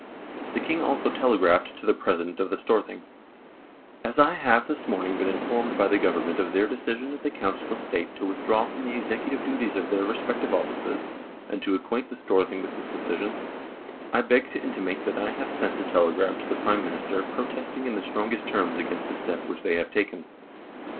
The King also telegraphed to the President of the Storthing :" As I have this morning been informed by the Government of their decision at the Council of State to withdraw from the executive duties of their respective offices, and to acquaint the Storthing with this decision, I beg to intimate that I have sent a telegram to the Prime Minister protesting in the strongest terms against the step which they have taken."